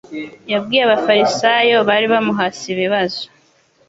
Yabwiye Abafarisayo bari bamuhase ibibazo,